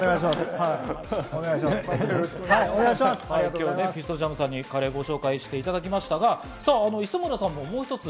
今日はピストジャムさんにカレーをご紹介していただきましたが、磯村さん、もう一つ